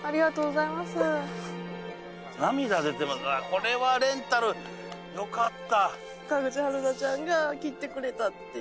これはレンタルよかったああ